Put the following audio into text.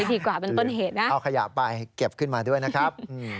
เอาขยะไปเก็บขึ้นมาด้วยนะครับ